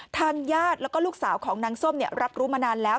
ทางญาติแล้วก็ลูกสาวของนางส้มรับรู้มานานแล้ว